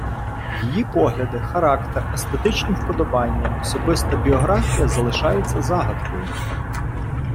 Її погляди, характер, естетичні вподобання, особиста біографія залишаються загадкою.